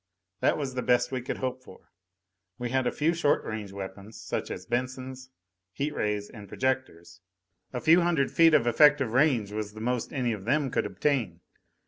That was the best we could hope for. We had a few short range weapons, such as Bensons, heat rays and projectors. A few hundred feet of effective range was the most any of them could obtain.